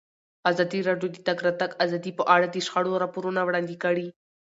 ازادي راډیو د د تګ راتګ ازادي په اړه د شخړو راپورونه وړاندې کړي.